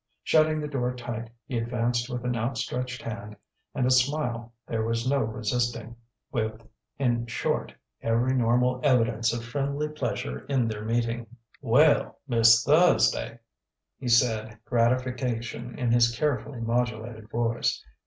Shutting the door tight, he advanced with an outstretched hand and a smile there was no resisting with, in short, every normal evidence of friendly pleasure in their meeting. "Well, Miss Thursday!" he said, gratification in his carefully modulated voice.